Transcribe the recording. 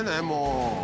もう。